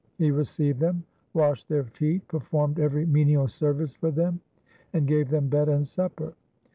He received them, washed their feet, performed every menial service for them, and gave them bed and supper.